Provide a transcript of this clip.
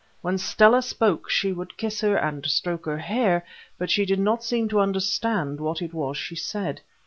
When Stella spoke she would kiss her and stroke her hair, but she did not seem to understand what it was she said.